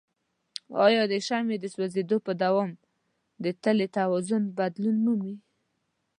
آیا د شمع د سوځیدو په دوام د تلې توازن بدلون مومي؟